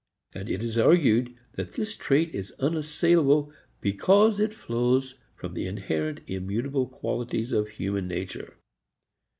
And it is argued that this trait is unassailable because it flows from the inherent, immutable qualities of human nature.